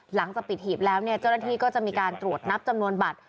หลังจากปิดโอขิบแล้วเจ้าหน้าที่มีการตรวจนับมือบัตร